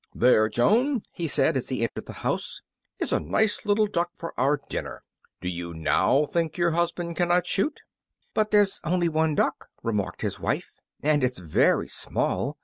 "There, Joan," he said, as he entered the house, "is a nice little duck for our dinner. Do you now think your husband cannot shoot?" "But there's only one duck," remarked his wife, "and it's very small.